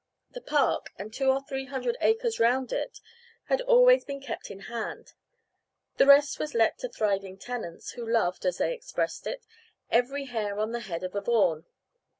The park, and two or three hundred acres round it, had always been kept in hand; the rest was let to thriving tenants, who loved (as they expressed it) "every hair on the head of a Vaughan."